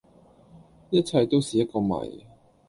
一切都是一個謎